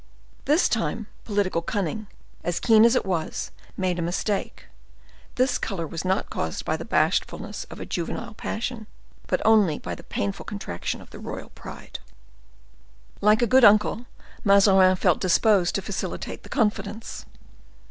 This time, political cunning, as keen as it was, made a mistake; this color was not caused by the bashfulness of a juvenile passion, but only by the painful contraction of the royal pride. Like a good uncle, Mazarin felt disposed to facilitate the confidence.